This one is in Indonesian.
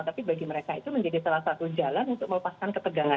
tapi bagi mereka itu menjadi salah satu jalan untuk melepaskan ketegangan